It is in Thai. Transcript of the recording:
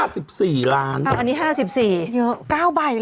อันนี้๕๔ใบหนึ่งเยอะ๙ใบเลยหรอ